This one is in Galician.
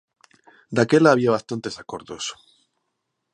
Daquela había bastantes acordos.